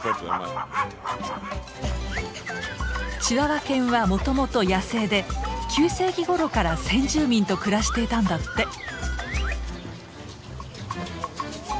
チワワ犬はもともと野生で９世紀ごろから先住民と暮らしていたんだって。